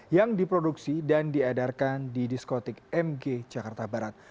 yang diproduksi dan diedarkan di diskotik mg jakarta barat